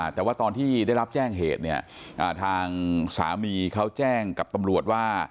แต่ว่าตอนที่ได้รับแจ้งเหตุเนี่ยทางสามีเขาแจ้งกับตำรวจว่า